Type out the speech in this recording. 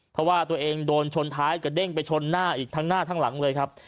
เพราะว่าตัวเองโดนชนท้ายกระเด้งไปชนหน้าอีกทั้งหน้าทั้งหลังเลยครับ